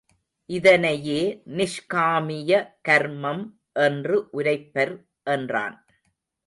இதனையே நிஷ்காமிய கர்மம் என்று உரைப்பர் என்றான்.